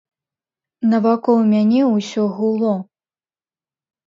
Навакол мяне ўсё гуло.